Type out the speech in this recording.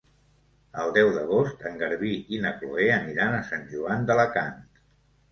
El deu d'agost en Garbí i na Chloé aniran a Sant Joan d'Alacant.